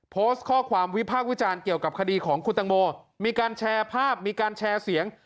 โพสต์ข้อความวิพากษ์วิจารณ์เกี่ยวกับคดีของคุณตังโมมีการแชร์ภาพมีการแชร์เสียง